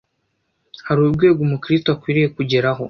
Hari urwego Umukristo akwiriye kugeraho